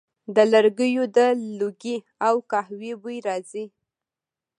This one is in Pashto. د لرګیو د لوګي او قهوې بوی راځي